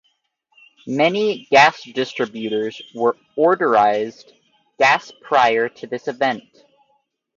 Many gas distributors were odorizing gas prior to this event.